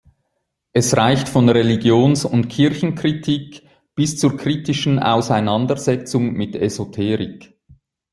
Es reicht von Religions- und Kirchenkritik bis zur kritischen Auseinandersetzung mit Esoterik.